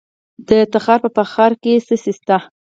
د تخار په فرخار کې څه شی شته؟